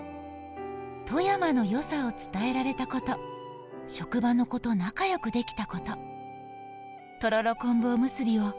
富山の良さを伝えられたこと、職場の子と仲良くできたこと」。